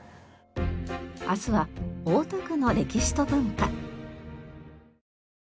明日は大田区の歴史と文化。